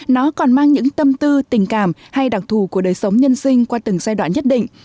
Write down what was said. nó còn mang những tâm tư tình cảm hay đặc thù của đời sống nhân sinh qua từng giai đoạn nhất định